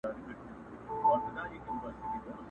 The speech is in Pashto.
گواکي موږ به تل له غم سره اوسېږو!!